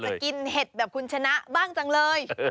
จะกินเห็ดแบบคุณชนะบ้างจังเลย